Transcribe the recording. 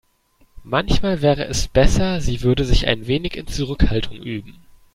Manchmal wäre es besser, sie würde sich ein wenig in Zurückhaltung üben.